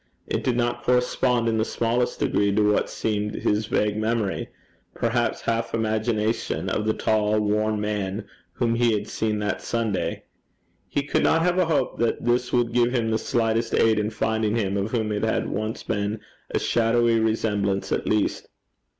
It did not correspond in the smallest degree to what seemed his vague memory, perhaps half imagination, of the tall worn man whom he had seen that Sunday. He could not have a hope that this would give him the slightest aid in finding him of whom it had once been a shadowy resemblance at least.